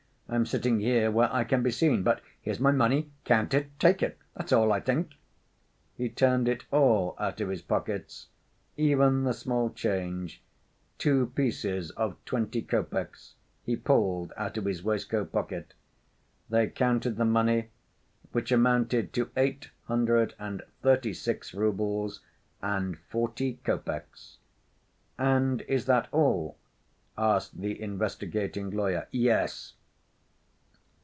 I'm sitting here where I can be seen. But here's my money—count it—take it. That's all, I think." He turned it all out of his pockets; even the small change—two pieces of twenty copecks—he pulled out of his waistcoat pocket. They counted the money, which amounted to eight hundred and thirty‐six roubles, and forty copecks. "And is that all?" asked the investigating lawyer. "Yes."